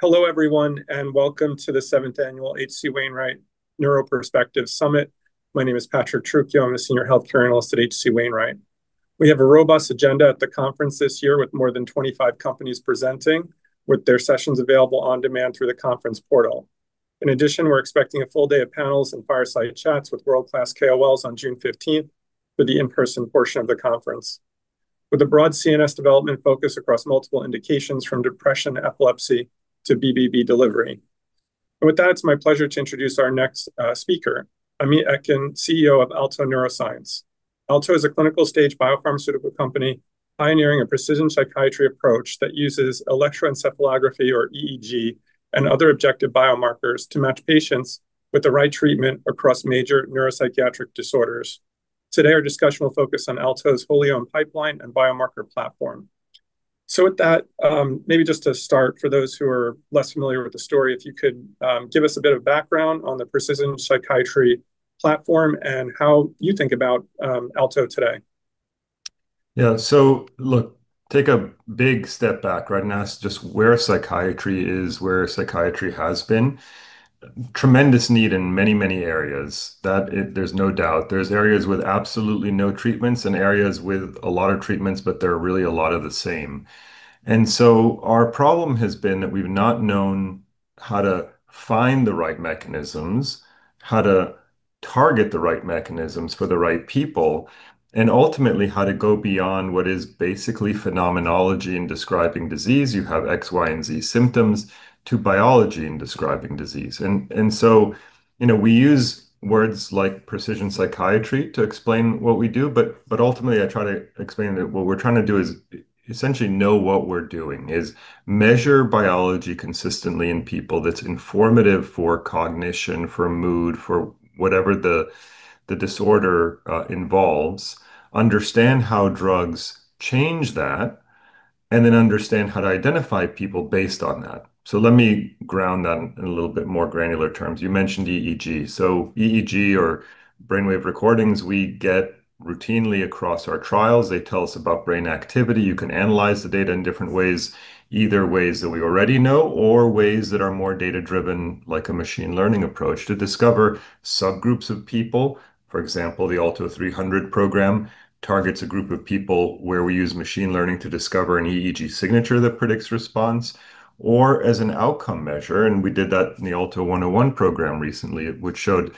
Hello everyone, welcome to the Seventh Annual H.C. Wainwright Neuro Perspectives Summit. My name is Patrick Trucchio. I am a Senior Healthcare Analyst at H.C. Wainwright. We have a robust agenda at the conference this year, with more than 25 companies presenting with their sessions available on demand through the conference portal. In addition, we are expecting a full day of panels and fireside chats with world-class KOLs on June 15th for the in-person portion of the conference, with a broad CNS development focus across multiple indications from depression, epilepsy to BBB delivery. With that, it is my pleasure to introduce our next speaker, Amit Etkin, CEO of Alto Neuroscience. Alto is a clinical stage biopharmaceutical company pioneering a precision psychiatry approach that uses electroencephalography, or EEG, and other objective biomarkers to match patients with the right treatment across major neuropsychiatric disorders. Today, our discussion will focus on Alto’s wholly-owned pipeline and biomarker platform. With that, maybe just to start, for those who are less familiar with the story, if you could give us a bit of background on the precision psychiatry platform and how you think about Alto today. Yeah. Look, take a big step back and ask just where psychiatry is, where psychiatry has been. Tremendous need in many, many areas. There is no doubt. There is areas with absolutely no treatments and areas with a lot of treatments, but they are really a lot of the same. Our problem has been that we have not known how to find the right mechanisms, how to target the right mechanisms for the right people, and ultimately how to go beyond what is basically phenomenology in describing disease, you have X, Y, and Z symptoms, to biology in describing disease. We use words like precision psychiatry to explain what we do, but ultimately I try to explain that what we are trying to do is essentially know what we are doing, is measure biology consistently in people that is informative for cognition, for mood, for whatever the disorder involves, understand how drugs change that, and then understand how to identify people based on that. Let me ground that in a little bit more granular terms. You mentioned EEG. EEG or brainwave recordings we get routinely across our trials. They tell us about brain activity. You can analyze the data in different ways, either ways that we already know or ways that are more data-driven, like a machine learning approach, to discover subgroups of people. For example, the ALTO-300 program targets a group of people where we use machine learning to discover an EEG signature that predicts response or as an outcome measure. We did that in the ALTO-101 program recently, which showed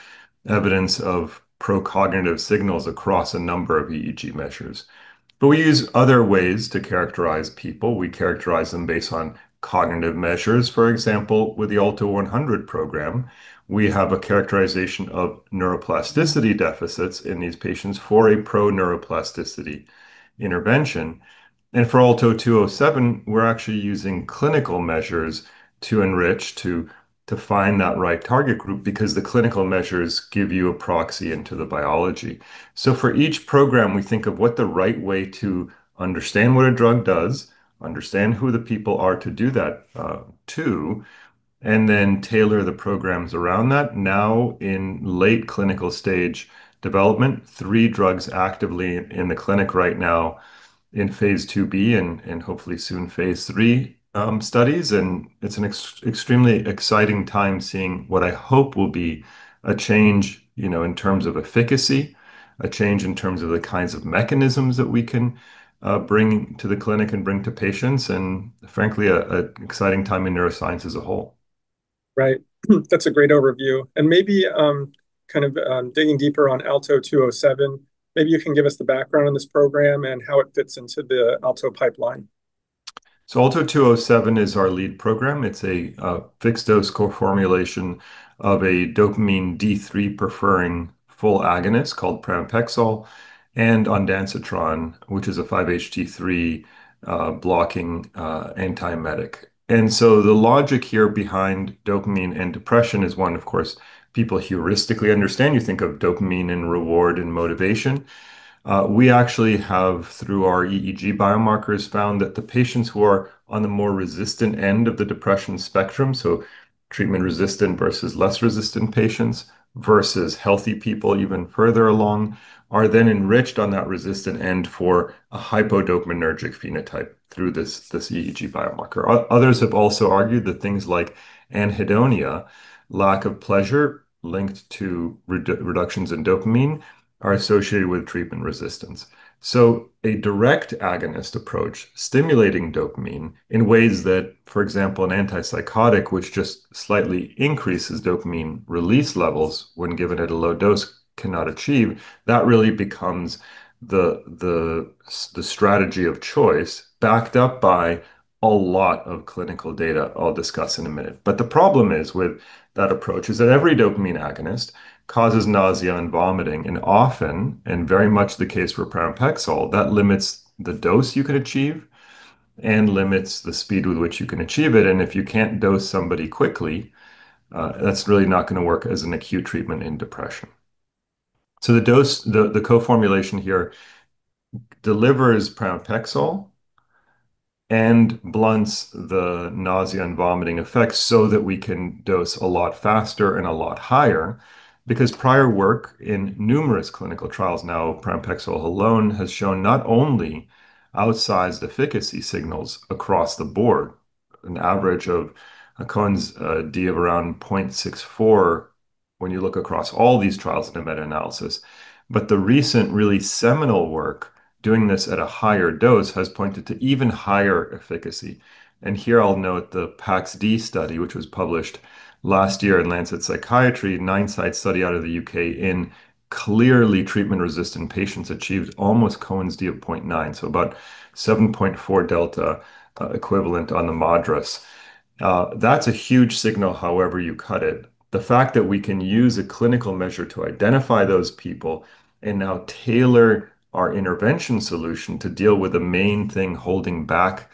evidence of pro-cognitive signals across a number of EEG measures. We use other ways to characterize people. We characterize them based on cognitive measures. For example, with the ALTO-100 program, we have a characterization of neuroplasticity deficits in these patients for a pro neuroplasticity intervention. For ALTO-207, we're actually using clinical measures to enrich, to find that right target group because the clinical measures give you a proxy into the biology. For each program, we think of what the right way to understand what a drug does, understand who the people are to do that to, and then tailor the programs around that. Now in late clinical stage development, three drugs actively in the clinic right now in phase II-B and hopefully soon phase III studies. It's an extremely exciting time seeing what I hope will be a change in terms of efficacy, a change in terms of the kinds of mechanisms that we can bring to the clinic and bring to patients, and frankly, an exciting time in neuroscience as a whole. Right. That's a great overview. Maybe kind of digging deeper on ALTO-207, maybe you can give us the background on this program and how it fits into the Alto pipeline. ALTO-207 is our lead program. It's a fixed-dose co-formulation of a dopamine D3 preferring full agonist called pramipexole and ondansetron, which is a 5-HT3 blocking antiemetic. The logic here behind dopamine and depression is one, of course, people heuristically understand. You think of dopamine and reward and motivation. We actually have, through our EEG biomarkers, found that the patients who are on the more resistant end of the depression spectrum, so treatment-resistant versus less resistant patients versus healthy people even further along, are then enriched on that resistant end for a hypodopaminergic phenotype through this EEG biomarker. Others have also argued that things like anhedonia, lack of pleasure linked to reductions in dopamine, are associated with treatment resistance. A direct agonist approach, stimulating dopamine in ways that, for example, an antipsychotic, which just slightly increases dopamine release levels when given at a low dose, cannot achieve, that really becomes the strategy of choice, backed up by a lot of clinical data I'll discuss in a minute. The problem is with that approach is that every dopamine agonist causes nausea and vomiting, and often, and very much the case for pramipexole, that limits the dose you can achieve and limits the speed with which you can achieve it. If you can't dose somebody quickly, that's really not going to work as an acute treatment in depression. The co-formulation here delivers pramipexole and blunts the nausea and vomiting effects so that we can dose a lot faster and a lot higher because prior work in numerous clinical trials now of pramipexole alone has shown not only outsized efficacy signals across the board, an average of a Cohen's d of around 0.64 when you look across all these trials in a meta-analysis. The recent really seminal work doing this at a higher dose has pointed to even higher efficacy. Here I'll note the PAX-D study, which was published last year in The Lancet Psychiatry, nine-site study out of the U.K. in clearly treatment-resistant patients achieved almost Cohen's d of 0.9, so about 7.4 delta equivalent on the MADRS. That's a huge signal however you cut it. The fact that we can use a clinical measure to identify those people and now tailor our intervention solution to deal with the main thing holding back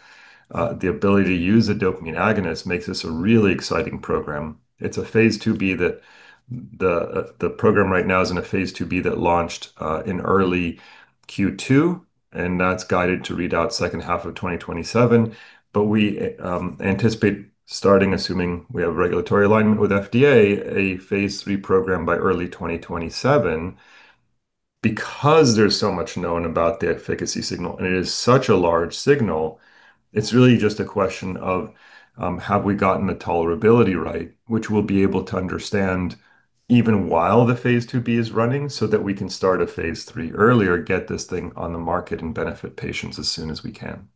the ability to use a dopamine agonist makes this a really exciting program. It's a phase II-B. The program right now is in a phase II-B that launched in early Q2, and that's guided to read out second half of 2027. We anticipate starting, assuming we have regulatory alignment with FDA, a phase III program by early 2027. There's so much known about the efficacy signal, and it is such a large signal, it's really just a question of have we gotten the tolerability right, which we'll be able to understand even while the phase II-B is running, so that we can start a phase III earlier, get this thing on the market, and benefit patients as soon as we can.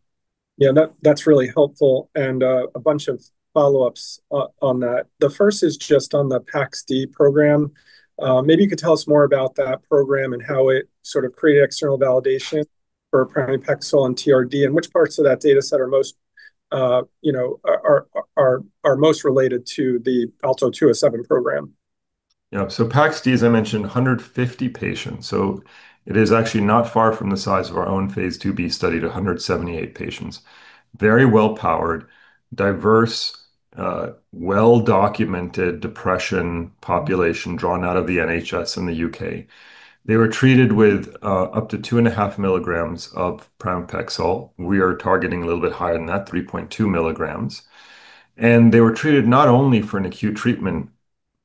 Yeah, that's really helpful. A bunch of follow-ups on that. The first is just on the PAX-D program. Maybe you could tell us more about that program and how it sort of created external validation for pramipexole in TRD, which parts of that data set are most related to the ALTO-207 program. Yeah. PAX-D, as I mentioned, 150 patients, it is actually not far from the size of our own phase II-B study at 178 patients. Very well-powered, diverse, well-documented depression population drawn out of the NHS in the U.K. They were treated with up to 2.5 mg of pramipexole. We are targeting a little bit higher than that, 3.2 mg. They were treated not only for an acute treatment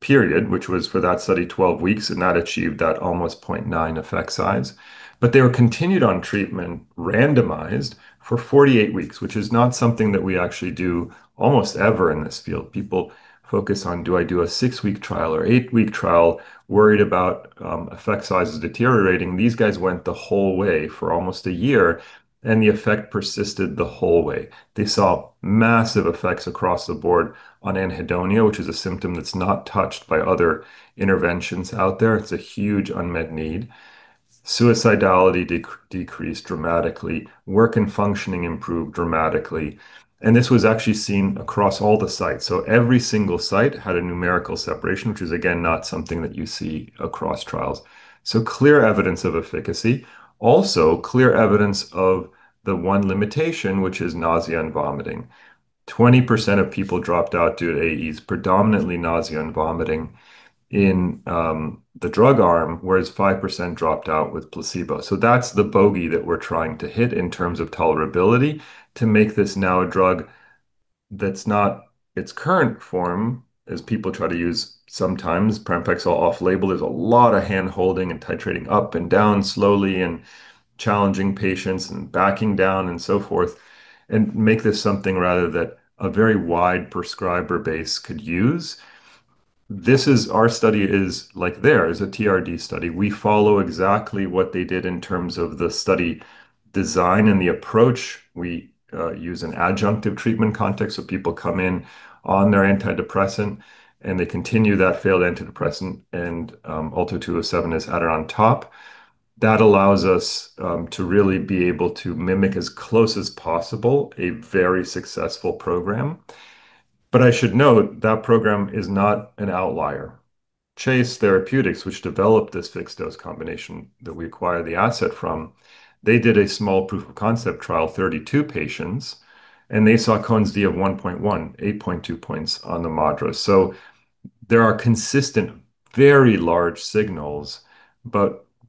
period, which was for that study 12 weeks, and that achieved that almost 0.9 effect size, but they were continued on treatment randomized for 48 weeks, which is not something that we actually do almost ever in this field. People focus on do I do a six-week trial or eight-week trial, worried about effect sizes deteriorating. These guys went the whole way for almost a year, and the effect persisted the whole way. They saw massive effects across the board on anhedonia, which is a symptom that is not touched by other interventions out there. It is a huge unmet need. Suicidality decreased dramatically, work and functioning improved dramatically. This was actually seen across all the sites. Every single site had a numerical separation, which is, again, not something that you see across trials. Clear evidence of efficacy. Also clear evidence of the one limitation, which is nausea and vomiting. 20% of people dropped out due to AEs, predominantly nausea and vomiting in the drug arm, whereas 5% dropped out with placebo. That is the bogey that we are trying to hit in terms of tolerability to make this now a drug that is not its current form, as people try to use sometimes pramipexole off-label. There is a lot of hand-holding and titrating up and down slowly and challenging patients and backing down and so forth and make this something rather that a very wide prescriber base could use. Our study is like theirs, a TRD study. We follow exactly what they did in terms of the study design and the approach. We use an adjunctive treatment context, people come in on their antidepressant, and they continue that failed antidepressant, and ALTO-207 is added on top. That allows us to really be able to mimic as close as possible a very successful program. I should note that program is not an outlier. Chase Therapeutics, which developed this fixed-dose combination that we acquired the asset from, they did a small proof of concept trial, 32 patients, and they saw Cohen's d of 1.1, 8.2 points on the MADRS. There are consistent, very large signals.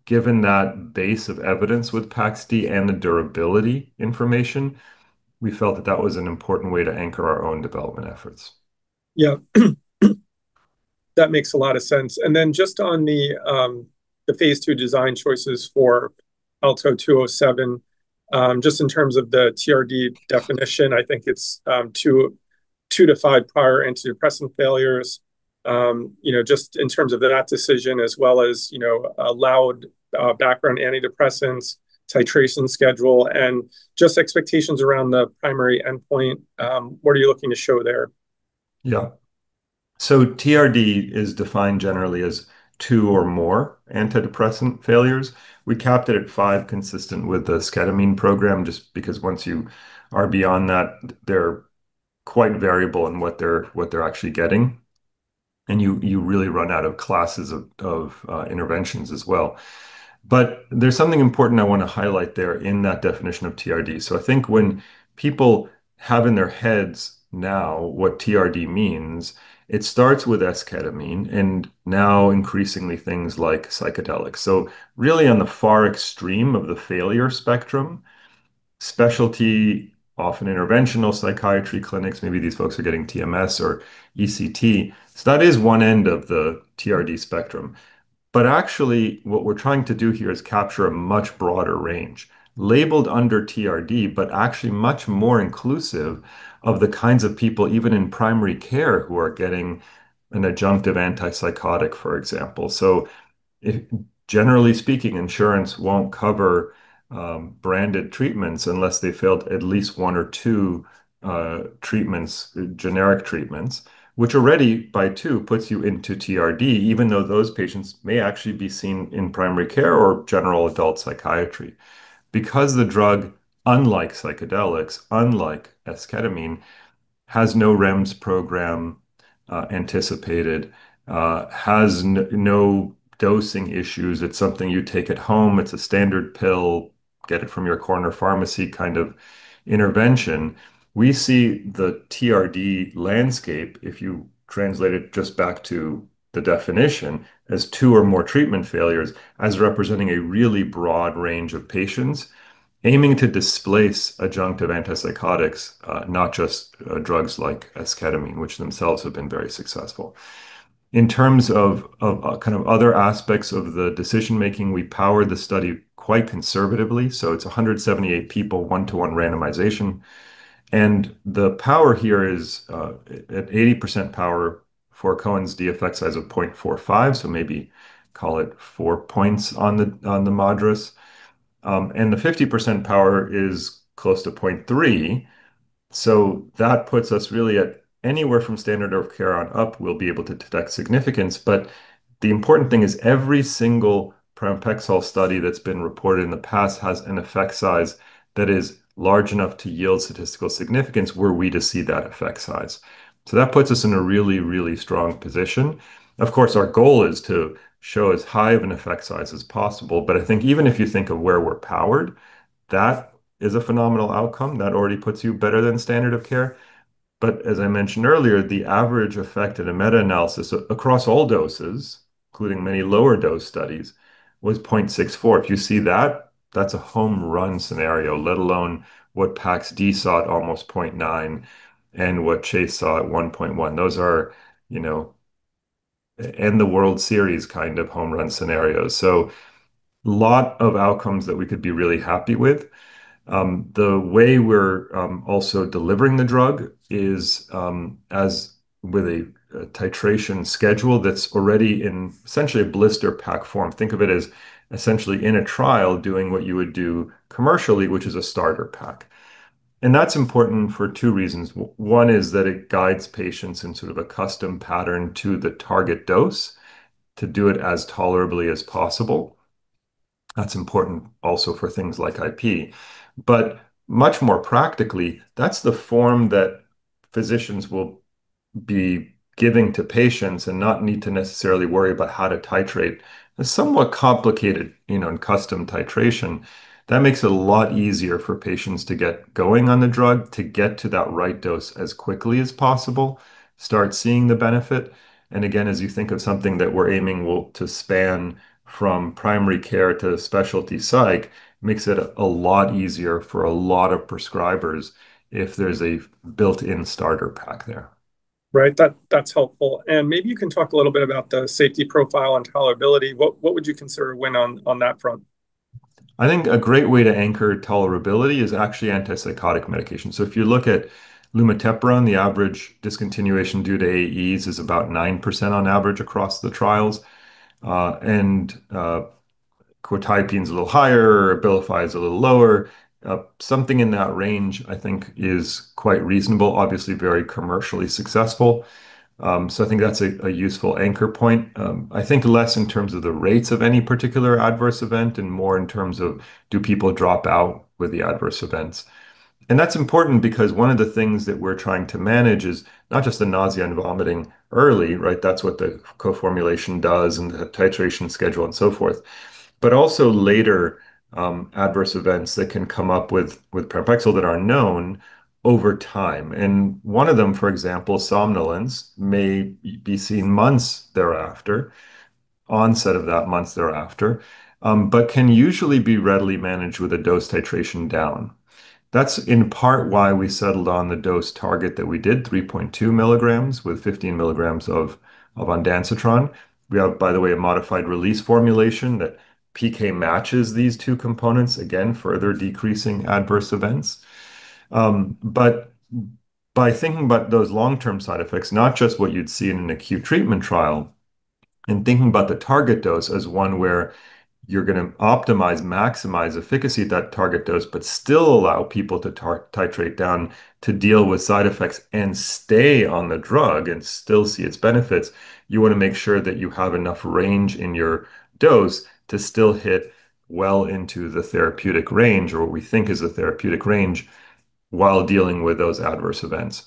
Given that base of evidence with PAX-D and the durability information, we felt that that was an important way to anchor our own development efforts. Yeah. That makes a lot of sense. Just on the phase II design choices for ALTO-207, just in terms of the TRD definition, I think it's two to five prior antidepressant failures. Just in terms of that decision as well as allowed background antidepressants, titration schedule, and just expectations around the primary endpoint, what are you looking to show there? Yeah. TRD is defined generally as two or more antidepressant failures. We capped it at five consistent with the esketamine program, just because once you are beyond that, they're quite variable in what they're actually getting, and you really run out of classes of interventions as well. There's something important I want to highlight there in that definition of TRD. I think when people have in their heads now what TRD means, it starts with esketamine and now increasingly things like psychedelics. Really on the far extreme of the failure spectrum, specialty, often interventional psychiatry clinics, maybe these folks are getting TMS or ECT. That is one end of the TRD spectrum. Actually, what we're trying to do here is capture a much broader range, labeled under TRD, but actually much more inclusive of the kinds of people, even in primary care, who are getting an adjunctive antipsychotic, for example. Generally speaking, insurance won't cover branded treatments unless they've failed at least one or two generic treatments, which already by two puts you into TRD, even though those patients may actually be seen in primary care or general adult psychiatry. Because the drug, unlike psychedelics, unlike esketamine, has no REMS program anticipated, has no dosing issues. It's something you take at home. It's a standard pill, get it from your corner pharmacy kind of intervention. We see the TRD landscape, if you translate it just back to the definition, as two or more treatment failures as representing a really broad range of patients aiming to displace adjunctive antipsychotics, not just drugs like esketamine, which themselves have been very successful. In terms of other aspects of the decision making, we power the study quite conservatively. It's 178 people, one-to-one randomization. The power here is at 80% power for Cohen's d effect size of 0.45. Maybe call it 4 points on the MADRS. The 50% power is close to 0.3. That puts us really at anywhere from standard of care on up, we'll be able to detect significance. The important thing is every single pramipexole study that's been reported in the past has an effect size that is large enough to yield statistical significance were we to see that effect size. That puts us in a really, really strong position. Of course, our goal is to show as high of an effect size as possible, but I think even if you think of where we're powered, that is a phenomenal outcome. That already puts you better than standard of care. As I mentioned earlier, the average effect in a meta-analysis across all doses, including many lower dose studies, was 0.64. If you see that's a home run scenario, let alone what PAX-D saw at almost 0.9 and what Chase saw at 1.1. Those are in the World Series kind of home run scenarios. A lot of outcomes that we could be really happy with. The way we're also delivering the drug is with a titration schedule that's already in essentially a blister pack form. Think of it as essentially in a trial doing what you would do commercially, which is a starter pack. That's important for two reasons. One is that it guides patients in sort of a custom pattern to the target dose to do it as tolerably as possible. That's important also for things like IP. Much more practically, that's the form that physicians will be giving to patients and not need to necessarily worry about how to titrate a somewhat complicated and custom titration. That makes it a lot easier for patients to get going on the drug to get to that right dose as quickly as possible, start seeing the benefit. Again, as you think of something that we're aiming will to span from primary care to specialty psych, makes it a lot easier for a lot of prescribers if there's a built-in starter pack there. Right. That's helpful. Maybe you can talk a little bit about the safety profile and tolerability. What would you consider win on that front? I think a great way to anchor tolerability is actually antipsychotic medication. If you look at lumateperone, the average discontinuation due to AEs is about 9% on average across the trials. Quetiapine's a little higher, Abilify is a little lower. Something in that range, I think is quite reasonable, obviously very commercially successful. I think that's a useful anchor point. I think less in terms of the rates of any particular adverse event and more in terms of do people drop out with the adverse events. That's important because one of the things that we're trying to manage is not just the nausea and vomiting early, right? That's what the co-formulation does and the titration schedule and so forth, but also later adverse events that can come up with pramipexole that are known over time. One of them, for example, somnolence, may be seen months thereafter, onset of that months thereafter. Can usually be readily managed with a dose titration down. That's in part why we settled on the dose target that we did, 3.2 mg with 15 mg of ondansetron. We have, by the way, a modified release formulation that PK matches these two components, again, further decreasing adverse events. By thinking about those long-term side effects, not just what you'd see in an acute treatment trial, and thinking about the target dose as one where you're going to optimize, maximize efficacy at that target dose, but still allow people to titrate down to deal with side effects and stay on the drug and still see its benefits, you want to make sure that you have enough range in your dose to still hit well into the therapeutic range or what we think is a therapeutic range while dealing with those adverse events.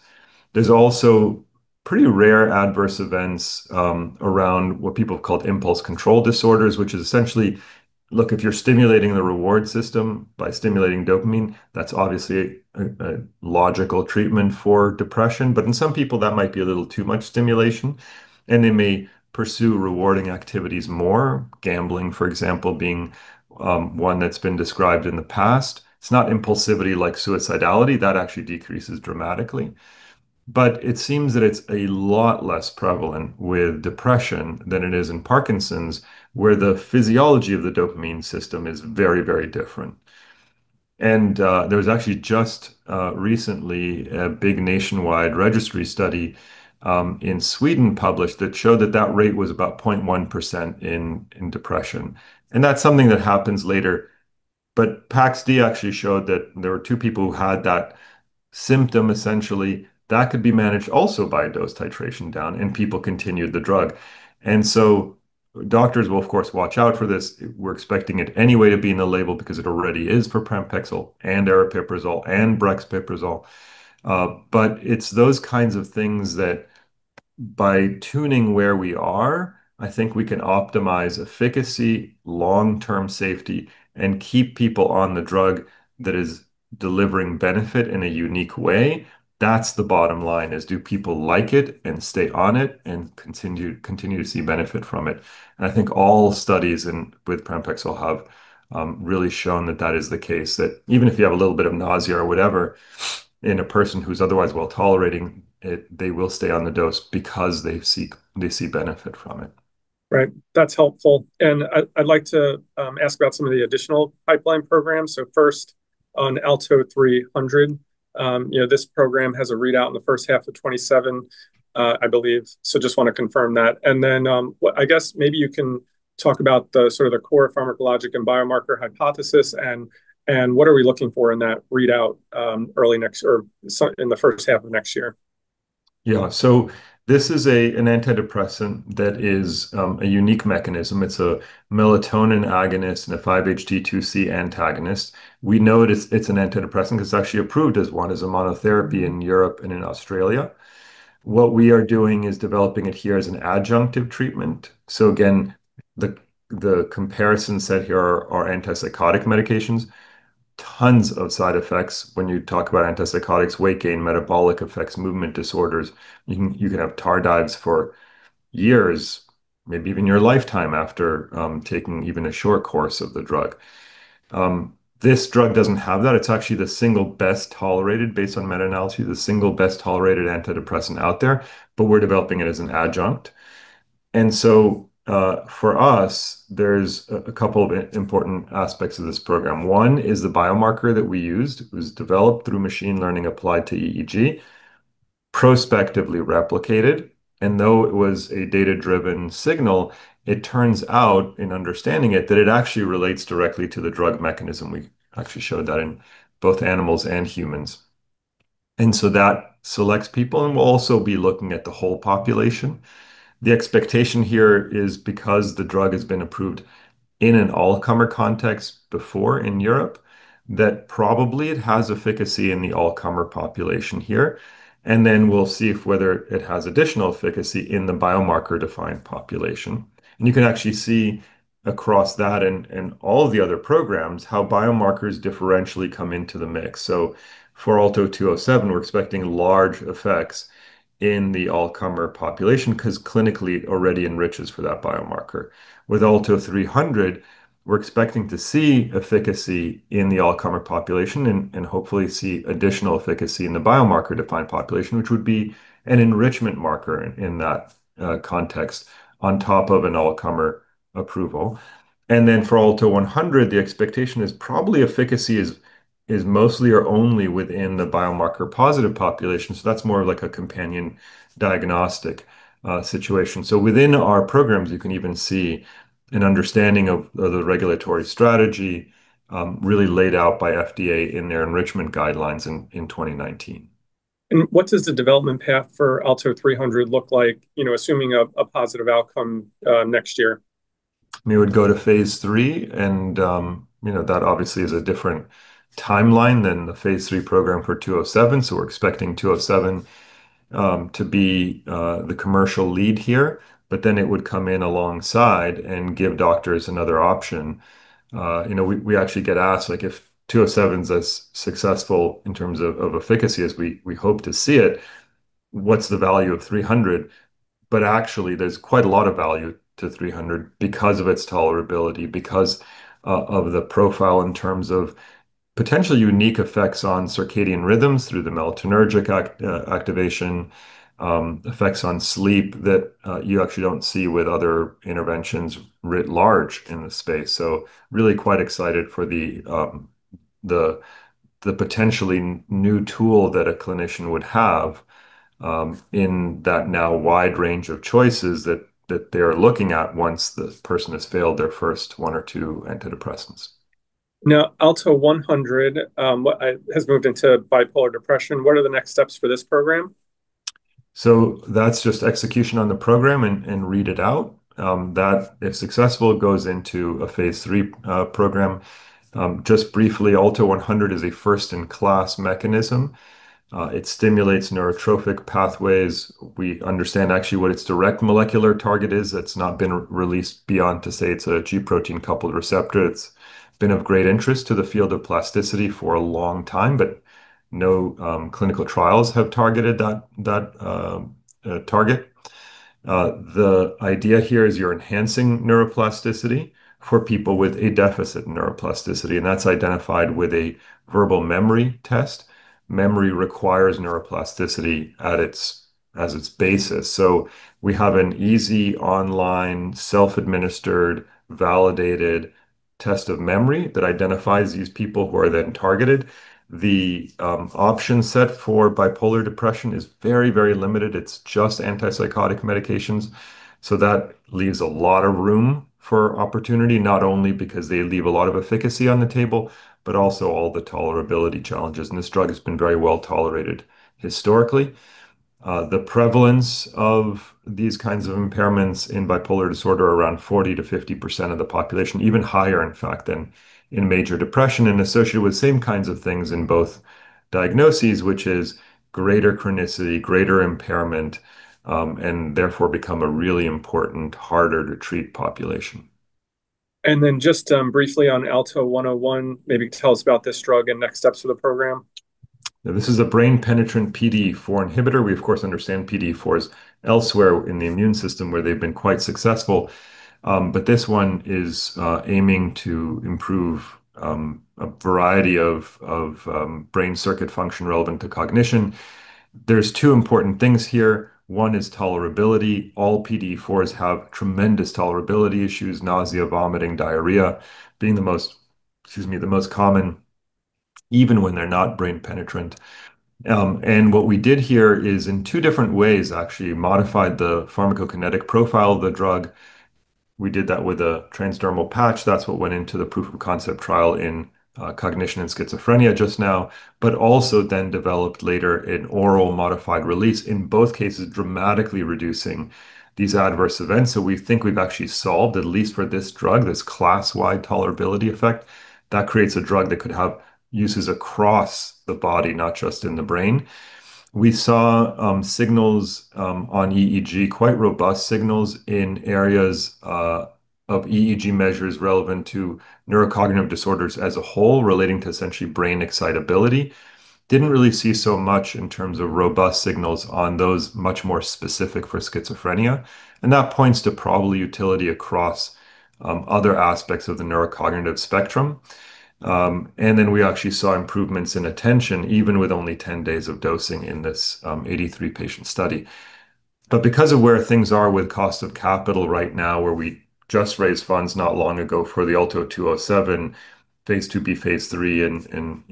There's also pretty rare adverse events around what people have called impulse control disorders, which is essentially, look, if you're stimulating the reward system by stimulating dopamine, that's obviously a logical treatment for depression. In some people, that might be a little too much stimulation, and they may pursue rewarding activities more. Gambling, for example, being one that's been described in the past. It's not impulsivity like suicidality. That actually decreases dramatically. It seems that it's a lot less prevalent with depression than it is in Parkinson's, where the physiology of the dopamine system is very, very different. There was actually just recently a big nationwide registry study in Sweden published that showed that that rate was about 0.1% in depression. That's something that happens later, but PAX-D actually showed that there were two people who had that symptom essentially that could be managed also by dose titration down, and people continued the drug. Doctors will of course watch out for this. We're expecting it anyway to be in the label because it already is for pramipexole and aripiprazole and brexpiprazole. It's those kinds of things that by tuning where we are, I think we can optimize efficacy, long-term safety, and keep people on the drug that is delivering benefit in a unique way. That's the bottom line is do people like it and stay on it and continue to see benefit from it? I think all studies with pramipexole have really shown that that is the case, that even if you have a little bit of nausea or whatever in a person who's otherwise well-tolerating it, they will stay on the dose because they see benefit from it. That's helpful. I'd like to ask about some of the additional pipeline programs. First on ALTO-300. This program has a readout in the first half of 2027, I believe. Just want to confirm that. I guess maybe you can talk about the sort of the core pharmacologic and biomarker hypothesis and what are we looking for in that readout in the first half of next year? This is an antidepressant that is a unique mechanism. It's a melatonin agonist and a 5-HT2C antagonist. We know it's an antidepressant because it's actually approved as one, as a monotherapy in Europe and in Australia. We are doing is developing it here as an adjunctive treatment. Again, the comparison set here are antipsychotic medications, tons of side effects when you talk about antipsychotics, weight gain, metabolic effects, movement disorders. You can have tardives for years, maybe even your lifetime after taking even a short course of the drug. This drug doesn't have that. It's actually the single best tolerated based on meta-analysis, the single best tolerated antidepressant out there, but we're developing it as an adjunct. For us, there's a couple of important aspects of this program. One is the biomarker that we used. It was developed through machine learning applied to EEG, prospectively replicated, and though it was a data-driven signal, it turns out in understanding it that it actually relates directly to the drug mechanism. We actually showed that in both animals and humans. That selects people, and we'll also be looking at the whole population. The expectation here is because the drug has been approved in an all-comer context before in Europe, that probably it has efficacy in the all-comer population here, and then we'll see if whether it has additional efficacy in the biomarker-defined population. You can actually see across that and all the other programs how biomarkers differentially come into the mix. For ALTO-207, we're expecting large effects in the all-comer population because clinically it already enriches for that biomarker. With ALTO-300, we're expecting to see efficacy in the all-comer population and hopefully see additional efficacy in the biomarker-defined population, which would be an enrichment marker in that context on top of an all-comer approval. For ALTO-100, the expectation is probably efficacy is mostly or only within the biomarker-positive population, so that's more of like a companion diagnostic situation. Within our programs, you can even see an understanding of the regulatory strategy really laid out by FDA in their enrichment guidelines in 2019. What does the development path for ALTO-300 look like assuming a positive outcome next year? We would go to phase III. That obviously is a different timeline than the phase III program for 207. We are expecting 207 to be the commercial lead here, but it would come in alongside and give doctors another option. We actually get asked, if 207 is as successful in terms of efficacy as we hope to see it, what is the value of 300? Actually, there is quite a lot of value to 300 because of its tolerability, because of the profile in terms of potential unique effects on circadian rhythms through the melatonergic activation, effects on sleep that you actually don't see with other interventions writ large in the space. Really quite excited for the potentially new tool that a clinician would have in that now wide range of choices that they are looking at once the person has failed their first one or two antidepressants. ALTO-100 has moved into bipolar depression. What are the next steps for this program? That is just execution on the program and read it out. That, if successful, goes into a phase III program. Just briefly, ALTO-100 is a first-in-class mechanism. It stimulates neurotrophic pathways. We understand actually what its direct molecular target is. That has not been released beyond to say it is a G protein-coupled receptor. It has been of great interest to the field of plasticity for a long time, no clinical trials have targeted that target. The idea here is you are enhancing neuroplasticity for people with a deficit in neuroplasticity, and that is identified with a verbal memory test. Memory requires neuroplasticity as its basis. We have an easy, online, self-administered, validated test of memory that identifies these people who are then targeted. The option set for bipolar depression is very limited. It is just antipsychotic medications. That leaves a lot of room for opportunity, not only because they leave a lot of efficacy on the table, but also all the tolerability challenges, and this drug has been very well-tolerated historically. The prevalence of these kinds of impairments in bipolar disorder are around 40%-50% of the population, even higher, in fact, than in major depression, and associated with same kinds of things in both diagnoses, which is greater chronicity, greater impairment, and therefore become a really important, harder to treat population. Just briefly on ALTO-101, maybe tell us about this drug and next steps for the program. This is a brain-penetrant PDE4 inhibitor. We, of course, understand PDE4s elsewhere in the immune system where they've been quite successful. This one is aiming to improve a variety of brain circuit function relevant to cognition. There's two important things here. One is tolerability. All PDE4s have tremendous tolerability issues, nausea, vomiting, diarrhea being the most common, even when they're not brain-penetrant. What we did here is in two different ways, actually, modified the pharmacokinetic profile of the drug. We did that with a transdermal patch. That's what went into the proof of concept trial in cognition and schizophrenia just now, but also then developed later an oral modified release, in both cases, dramatically reducing these adverse events. We think we've actually solved, at least for this drug, this class-wide tolerability effect that creates a drug that could have uses across the body, not just in the brain. We saw signals on EEG, quite robust signals in areas of EEG measures relevant to neurocognitive disorders as a whole, relating to essentially brain excitability. Didn't really see so much in terms of robust signals on those much more specific for schizophrenia, and that points to probably utility across other aspects of the neurocognitive spectrum. Then we actually saw improvements in attention, even with only 10 days of dosing in this 83-patient study. Because of where things are with cost of capital right now, where we just raised funds not long ago for the ALTO-207, phase II-B, phase III, and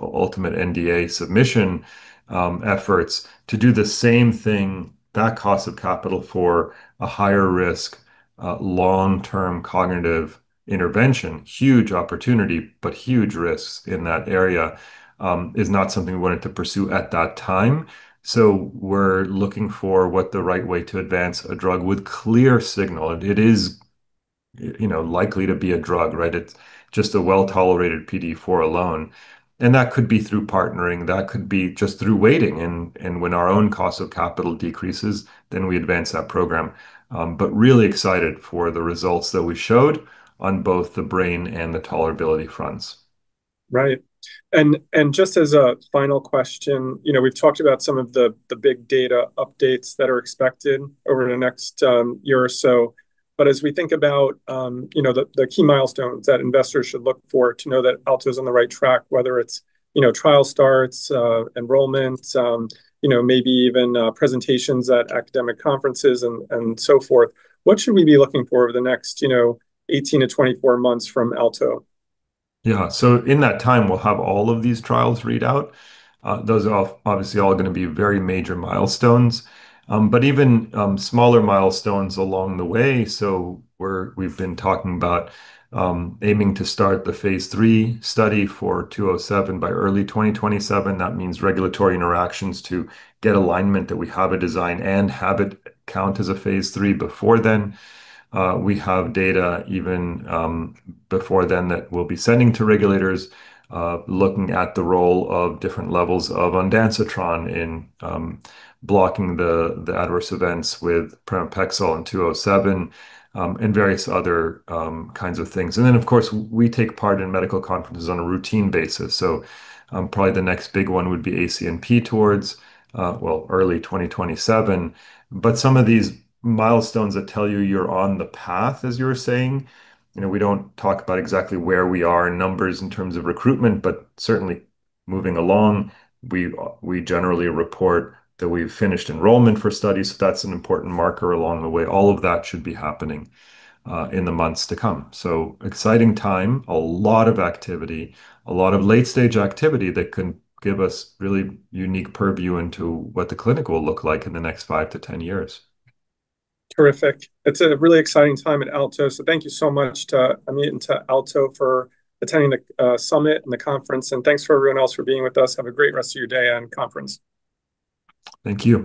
ultimate NDA submission efforts to do the same thing, that cost of capital for a higher risk, long-term cognitive intervention, huge opportunity, but huge risks in that area, is not something we wanted to pursue at that time. We're looking for what the right way to advance a drug with clear signal. It is likely to be a drug, right? It's just a well-tolerated PDE4 alone, and that could be through partnering, that could be just through waiting. When our own cost of capital decreases, then we advance that program. Really excited for the results that we showed on both the brain and the tolerability fronts. Right. Just as a final question, we've talked about some of the big data updates that are expected over the next year or so, as we think about the key milestones that investors should look for to know that Alto is on the right track, whether it's trial starts, enrollments, maybe even presentations at academic conferences and so forth, what should we be looking for over the next 18-24 months from Alto? Yeah. In that time, we'll have all of these trials read out. Those are obviously all going to be very major milestones. Even smaller milestones along the way, we've been talking about aiming to start the phase III study for 207 by early 2027. That means regulatory interactions to get alignment that we have a design and have it count as a phase III before then. We have data even before then that we'll be sending to regulators, looking at the role of different levels of ondansetron in blocking the adverse events with pramipexole and 207, and various other kinds of things. Then, of course, we take part in medical conferences on a routine basis, probably the next big one would be ACNP towards, well, early 2027. Some of these milestones that tell you you're on the path, as you were saying, we don't talk about exactly where we are in numbers in terms of recruitment, but certainly moving along, we generally report that we've finished enrollment for studies. That's an important marker along the way. All of that should be happening in the months to come. Exciting time. A lot of activity, a lot of late-stage activity that can give us really unique purview into what the clinic will look like in the next 5-10 years. Terrific. It's a really exciting time at Alto, so thank you so much to Amit and to Alto for attending the summit and the conference, and thanks for everyone else for being with us. Have a great rest of your day and conference. Thank you.